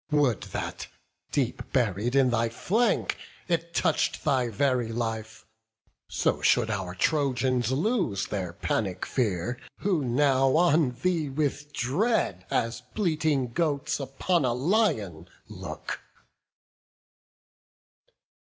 Would that, deep buried in thy flank, it touch'd Thy very life! so should our Trojans lose Their panic fear, who now on thee with dread, As bleating goats upon a lion, look."